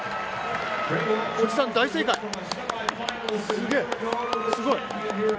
すげえ、すごい！